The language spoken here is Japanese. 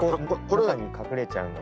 中に隠れちゃうので。